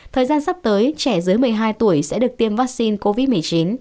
thời gian sắp tới trẻ dưới một mươi hai tuổi sẽ được tiêm vaccine covid một mươi chín